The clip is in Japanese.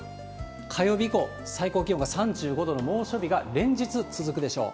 火曜日以降、最高気温が３５度の猛暑日が連日続くでしょう。